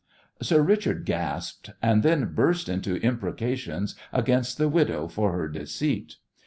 "Sir Richard" gasped, and then burst forth into imprecations against the widow for her "deceit."